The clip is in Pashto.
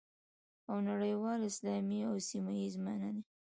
او نړیوالې، اسلامي او سیمه ییزې مننې